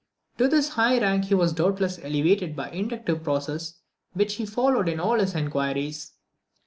To this high rank he was doubtless elevated by the inductive processes which he followed in all his inquiries.